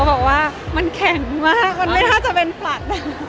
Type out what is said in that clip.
เพราะเขาตั้งใจมาก